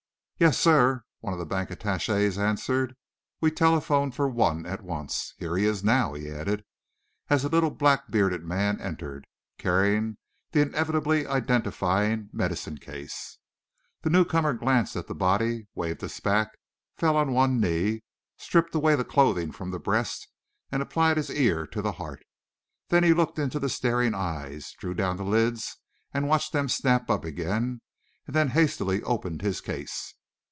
"Yes, sir," one of the bank attaches answered. "We telephoned for one at once here he is, now!" he added, as a little black bearded man entered, carry the inevitably identifying medicine case. The newcomer glanced at the body, waved us back, fell on one knee, stripped away the clothing from the breast and applied his ear to the heart. Then he looked into the staring eyes, drew down the lids, watched them snap up again, and then hastily opened his case.